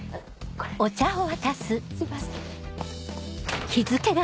これすいません。